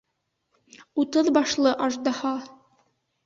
Утыҙ башлы аждаһа!